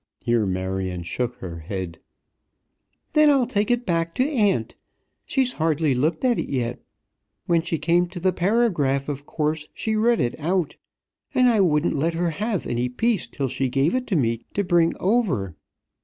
Here Marion shook her head. "Then I'll take it back to aunt. She's hardly looked at it yet. When she came to the paragraph, of course, she read it out; and I wouldn't let her have any peace till she gave it me to bring over."